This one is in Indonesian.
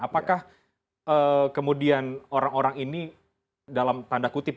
apakah kemudian orang orang ini dalam tanda kutip